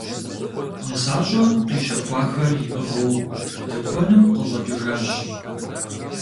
Нысащӏэм къищэхуахэр иӏыгъыу тыкуэным къыщӏэкӏыжащ.